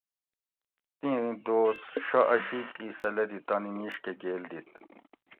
تیں دوس شہ اۤشیک ایسہ لدی تانی میش کہ گیل دِیت